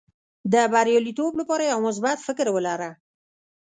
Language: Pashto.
د بریالیتوب لپاره یو مثبت فکر ولره.